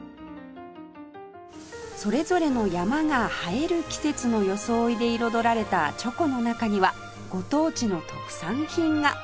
それぞれの山が映える季節の装いで彩られたチョコの中にはご当地の特産品が